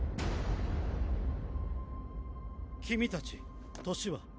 君たち年は？